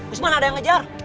usman ada yang ngejar